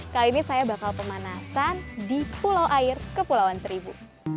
kali ini saya bakal pemanasan di pulau air kepulauan seribu